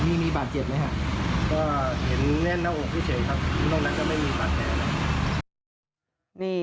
ก็เห็นแน่นหน้าอกเพียงเฉยครับตรงนั้นก็ไม่มีบาดแน่นะ